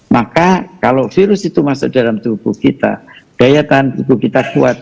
maka kalau virus itu masuk dalam tubuh kita daya tahan tubuh kita kuat